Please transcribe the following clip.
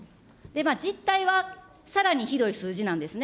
実態はさらにひどい数字なんですね。